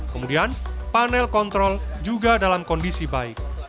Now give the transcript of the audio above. kemudian panel kontrol juga dalam kondisi baik